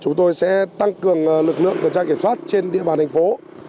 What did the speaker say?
chúng tôi sẽ tăng cường lực lượng tuần tra kiểm soát trên địa bàn thành phố